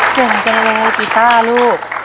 เก่งจังเลยกีต้าลูก